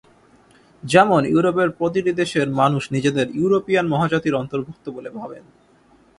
যেমন ইউরোপের প্রতিটি দেশের মানুষ নিজেদের ইউরোপিয়ান মহাজাতির অন্তর্ভুক্ত বলে ভাবেন।